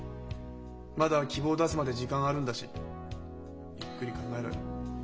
まだ希望出すまで時間あるんだしゆっくり考えろよ。